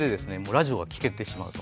ラジオが聴けてしまうと。